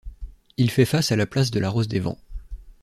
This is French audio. Il fait face à la place de la rose des vents.